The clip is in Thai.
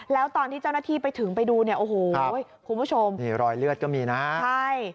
แล้วตอนที่เจ้าหน้าที่ไปถึงไปดูเนี่ยโอ้โหคุณผู้ชมนี่รอยเลือดก็มีนะใช่